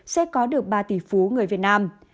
sẽ có được ba tỷ phú người việt nam